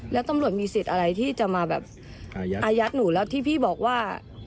แล้วตำรวจมีสิทธิ์อะไรที่จะมาแบบอายัดหนูแล้วที่พี่บอกว่า